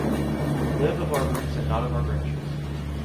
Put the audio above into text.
We live of our roots and not of our branches.